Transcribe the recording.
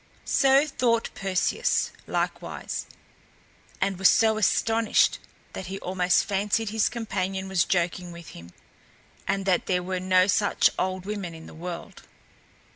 So thought Perseus, likewise, and was so astonished that he almost fancied his companion was joking with him, and that there were no such old women in the world.